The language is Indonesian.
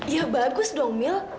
ya bagus dong mil